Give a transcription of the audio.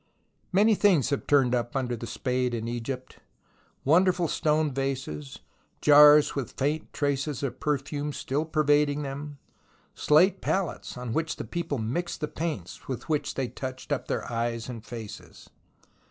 Many things have turned up under the spade in Egypt, wonderful stone vases, jars with faint traces of perfume still pervading them, slate palettes on which the people mixed the paints with which they touched up their eyes and faces.